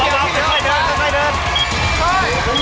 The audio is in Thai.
อย่าเบาค่อยเดิน